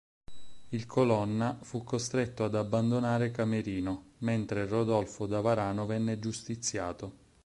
Il Colonna fu costretto ad abbandonare Camerino, mentre Rodolfo da Varano venne giustiziato.